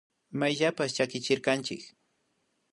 Mayllashpa chakichirkanchik